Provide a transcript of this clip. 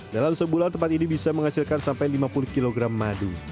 dalam sebulan tempat ini bisa menghasilkan sampai lima puluh kg madu